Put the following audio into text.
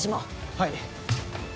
はい。